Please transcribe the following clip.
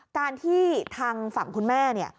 การที่ทางฝั่งคุณแม่เนี่ย